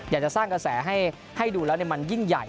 อยากจะสร้างกระแสให้ดูแล้วมันยิ่งใหญ่